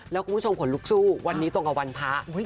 แล้วคุณผู้ชมขนลุกสู้วันนี้ตรงกับวันพระ